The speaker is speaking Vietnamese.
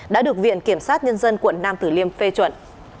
đã được viện kiểm sát nhân dân quận nam tử liêm phê chuẩn